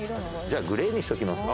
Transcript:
じゃあグレーにしておきます。